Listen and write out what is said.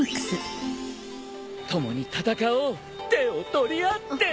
共に戦おう手を取り合って！